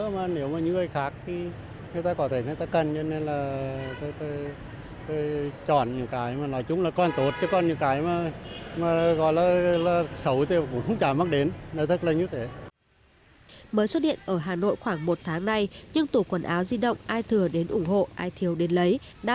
mới xuất hiện ở hà nội khoảng một tháng nay nhưng tủ quần áo di động ai thừa đến ủng hộ ai thiếu đến lấy